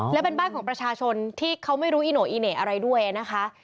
และเป็นบ้านของประชาชนที่เขาไม่รู้อีโน่อีเหน่อะไรด้วยนะคะ